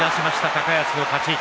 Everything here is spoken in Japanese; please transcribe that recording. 高安の勝ち。